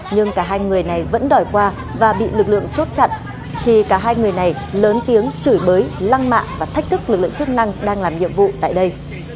nhưng cả hai người này vẫn đòi qua và bị lực lượng chốt chặn thì cả hai người này lớn tiếng chửi bới lăng mạ và thách thức lực lượng chức năng đang làm nhiệm vụ tại đây